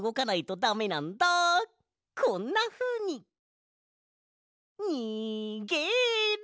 こんなふうに！にげろ！